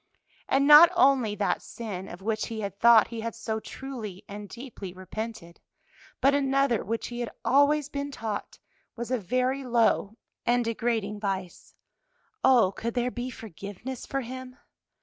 And not only that sin, of which he had thought he had so truly and deeply repented, but another which he had always been taught was a very low and degrading vice. Oh, could there be forgiveness for him?